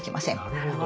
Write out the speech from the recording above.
なるほど。